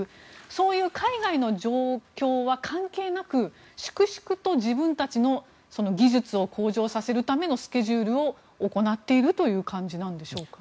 そういう海外の状況は関係なく粛々と自分たちの技術を向上させるためのスケジュールを行っているという感じなんでしょうか。